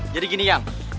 jadi gini yang